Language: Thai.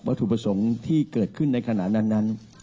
ถูกประสงค์ที่เกิดขึ้นในขณะนั้น